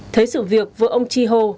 thấy sự việc với ông chi hô